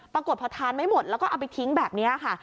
ปรากฏพอทานไม่หมดแล้วก็เอาไปทิ้งแบบนี้ค่ะ